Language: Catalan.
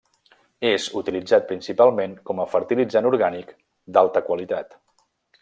És utilitzat principalment com a fertilitzant orgànic d'alta qualitat.